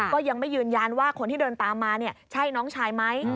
ก็ยังไม่ยืนยันว่าคนที่เดินตามมาใช่น้องชายไหม